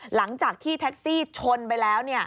หลังจากที่แท็กซี่ชนไปแล้ว